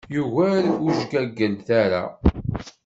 Yugar ujgagal, tara.